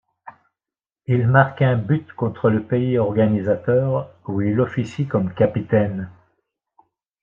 Il marque un but contre le pays organisateur, où il officie comme capitaine.